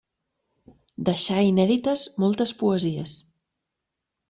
Deixà inèdites moltes poesies.